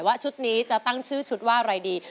ชุดนี้จะตั้งชื่อชุดว่าอะไรดี